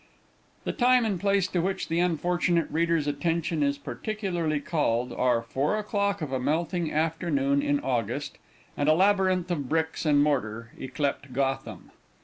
The time and place to which the unfortunate reader's attention is particularly called, are four o'clock of a melting afternoon in August, and a labyrinth of bricks and mortar, yclept Gotham.